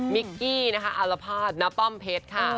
กี้นะคะอารภาษณป้อมเพชรค่ะ